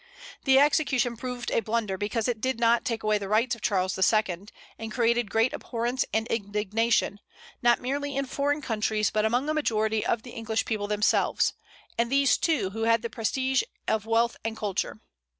The execution proved a blunder, because it did not take away the rights of Charles II., and created great abhorrence and indignation, not merely in foreign countries, but among a majority of the English people themselves, and these, too, who had the prestige of wealth and culture.